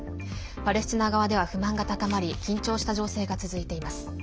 パレスチナ側では不満が高まり緊張した情勢が続いています。